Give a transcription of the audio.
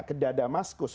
ke dada maskus